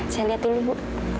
saya lihat dulu bu